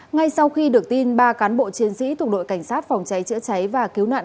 ngay sau khi được tin ba cán bộ chiến sĩ thuộc đội cảnh sát phòng cháy chữa cháy và cứu nạn